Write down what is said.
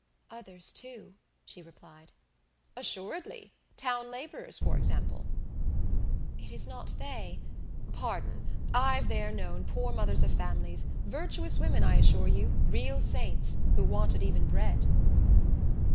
"Others, too," she replied. "Assuredly. Town labourers, for example." "It is not they " "Pardon! I've there known poor mothers of families, virtuous women, I assure you, real saints, who wanted even bread."